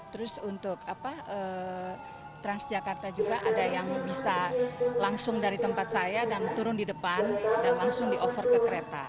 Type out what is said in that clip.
terus untuk transjakarta juga ada yang bisa langsung dari tempat saya dan turun di depan dan langsung di over ke kereta